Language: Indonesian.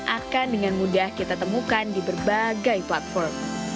akan dengan mudah kita temukan di berbagai platform